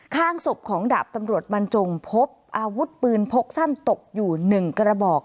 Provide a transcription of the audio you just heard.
ข้างศพของดาบตำรวจบรรจงพบอาวุธปืนพกสั้นตกอยู่๑กระบอก